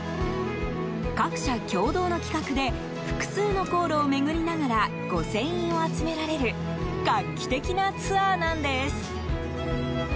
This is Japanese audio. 各社共同の企画で複数の航路を巡りながら御船印を集められる画期的なツアーなんです。